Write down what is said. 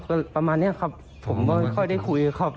ก็ประมาณนี้ครับผมก็ค่อยได้คุยครับ